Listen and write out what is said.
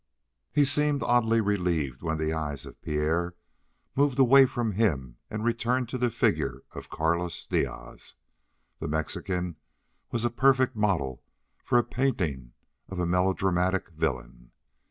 He seemed oddly relieved when the eyes of Pierre moved away from him and returned to the figure of Carlos Diaz. The Mexican was a perfect model for a painting of a melodramatic villain.